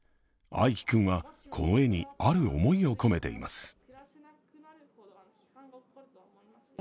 アイキ君はこの絵にある思いを込めています。